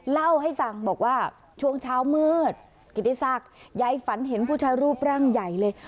เล่าให้ฟังบอกว่าช่วงเช้ามืดกิติศักดิ์ยายฝันเห็นพุทธรูปร่างใหญ่เลย